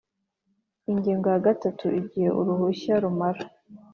Ingingo ya gatanu Igihe uruhushya rumara